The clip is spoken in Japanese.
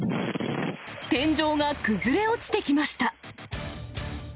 天井が崩れ落ちてきました。